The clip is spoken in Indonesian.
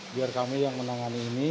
biar kami yang menangani ini